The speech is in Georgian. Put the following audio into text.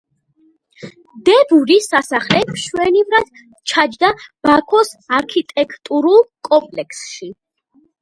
დე ბურის სასახლე მშვენივრად ჩაჯდა ბაქოს არქიტექტურულ კომპლექსში.